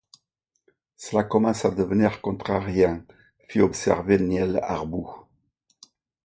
Cela commence à devenir contrariant, fit observer Niels Harboe.